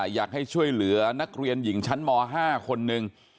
อยากให้ช่วยเหลือนักเรียนหญิงชั้นม๕คนหนึ่ง